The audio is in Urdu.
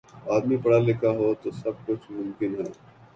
آدمی پڑھا لکھا ہو تو سب کچھ ممکن ہے